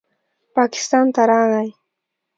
پاکستان ته راغے